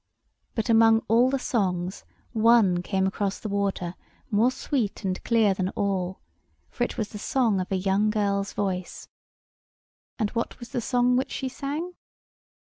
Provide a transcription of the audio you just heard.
But among all the songs one came across the water more sweet and clear than all; for it was the song of a young girl's voice. And what was the song which she sang?